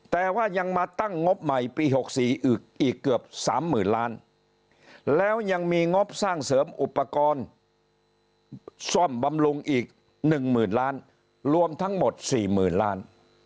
แต่ว่ายังมาตั้งงบใหม่ปี๖๔อีกเกือบสามหมื่นล้านแล้วยังมีงบสร้างเสริมอุปกรณ์ซ่อมบำรุงอีกหนึ่งหมื่นล้านรวมทั้งหมดสี่หมื่นล้าน